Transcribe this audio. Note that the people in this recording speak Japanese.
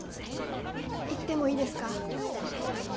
言ってもいいですか？